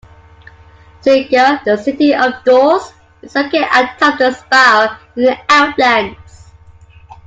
"Sigil", the "City of Doors", is located atop the "Spire" in the Outlands.